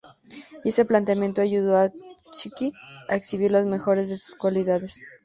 Y ese planteamiento ayudó a Txiki a exhibir las mejores de sus cualidades.